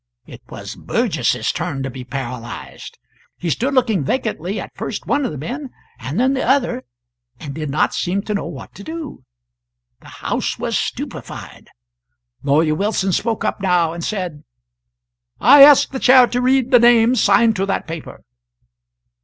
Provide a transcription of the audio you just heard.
It was Burgess's turn to be paralysed. He stood looking vacantly at first one of the men and then the other, and did not seem to know what to do. The house was stupefied. Lawyer Wilson spoke up now, and said: "I ask the Chair to read the name signed to that paper."